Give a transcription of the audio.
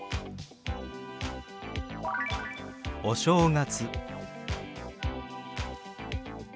「お正月」。